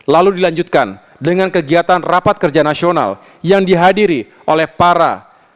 lalu dilanjutkan dengan kegiatan rapat kerja nasional yang dihadiri oleh para